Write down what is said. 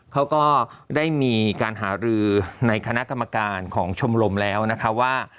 เขาก็ได้มีการหารือในคณะกรรมการของชมรมแล้วนะคะว่า